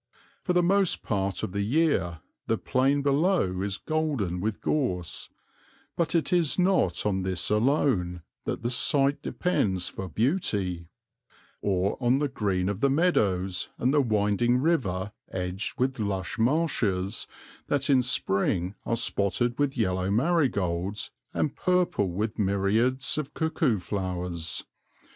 For the most part of the year the plain below is golden with gorse, but it is not on this alone that the sight depends for beauty, or on the green of the meadows and the winding river edged with lush marshes that in spring are spotted with yellow marigolds and purple with myriads of cuckoo flowers.